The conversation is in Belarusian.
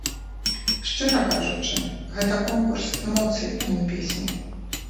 Шчыра кажучы, гэта конкурс эмоцыі, а не песні.